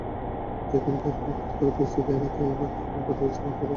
যেকোনো ধরনের অপ্রীতিকর পরিস্থিতি এড়াতে সেখানে বাড়তি নিরাপত্তাব্যবস্থা গ্রহণ করা হয়।